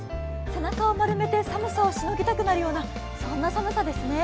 背中を丸めて寒さをしのぎたくなるような寒さですね。